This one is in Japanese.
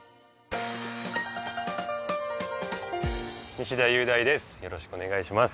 西田優大です